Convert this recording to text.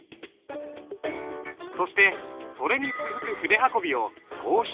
そしてそれに続く筆運びを送筆。